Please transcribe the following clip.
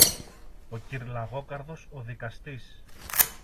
ο κυρ-Λαγόκαρδος ο δικαστής